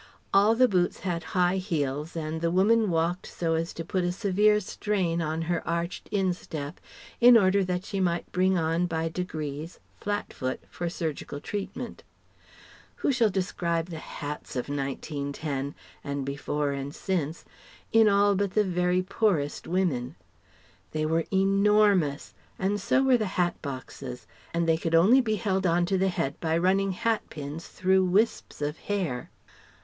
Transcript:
All the boots had high heels and the woman walked so as to put a severe strain on her arched instep in order that she might bring on by degrees "flat foot" for surgical treatment. Who shall describe the hats of 1910? and before and since in all but the very poorest women? They were enormous; and so were the hat boxes; and they could only be held on to the head by running hatpins through wisps of hair.